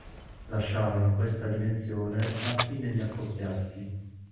Lasciarono questa dimensione al fine di accoppiarsi.